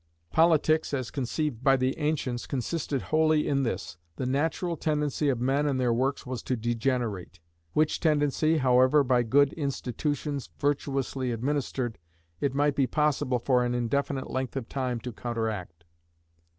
Politics, as conceived by the ancients, consisted wholly in this. The natural tendency of men and their works was to degenerate, which tendency, however, by good institutions virtuously administered, it might be possible for an indefinite length of time to counteract.